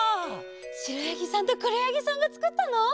しろやぎさんとくろやぎさんがつくったの？